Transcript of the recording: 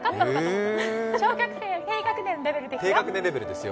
小学生低学年レベルですよ。